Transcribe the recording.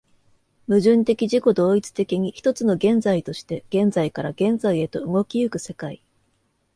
矛盾的自己同一的に、一つの現在として現在から現在へと動き行く世界